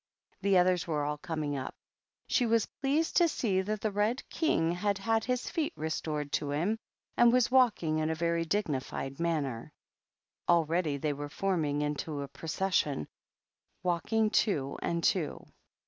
The others were all coming up; she was pleased to see that the Red King had had his feet restored to him, and was walking in a very dignified manner. Already they were forming into a procession, walking two and two.